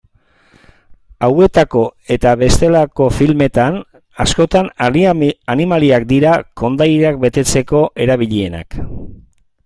Hauetako eta bestelako filmetan, askotan animaliak dira kondairak betetzeko erabilienak.